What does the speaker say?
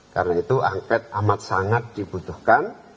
karena itu h angket amat sangat dibutuhkan